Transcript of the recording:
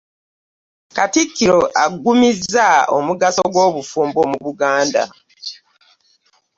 Katikkiro agumizza omugaso gw'obufumbo mu Buganda